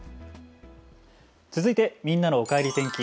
続いてみんなのおかえり天気。